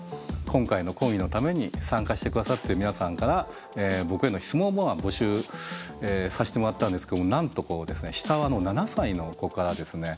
今回の講義のために参加して下さってる皆さんから僕への質問を募集させてもらったんですけどなんと下は７歳の子からですね